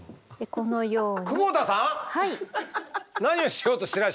このように。